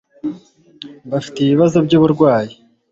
bafite ibibazo by'uburwayi